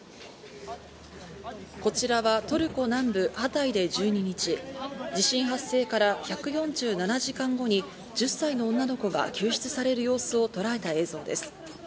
こちらはトルコ南部ハタイで１２日、地震発生から１４７時間後に１０歳の女の子が救出される様子をとらえた映像です。